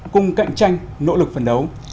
cùng cạnh tranh nỗ lực phân đấu